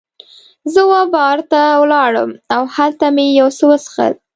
زه وه بار ته ولاړم او هلته مې یو څه وڅښل.